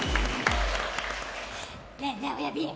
ねえねえ、おやびん。